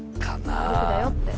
「僕だよ」って。